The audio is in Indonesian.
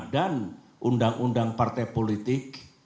dan undang undang partai politik